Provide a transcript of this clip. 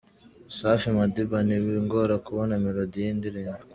Safi Madiba: Ntibingora kubona melodie y’indirimbo.